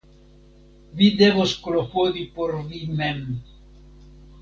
Vi devos klopodi por vi mem.